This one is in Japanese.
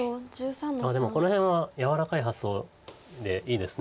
でもこの辺は柔らかい発想でいいですね。